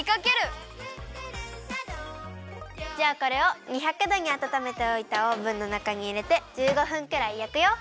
「クックルンシャドー」じゃあこれを２００どにあたためておいたオーブンのなかにいれて１５分くらいやくよ！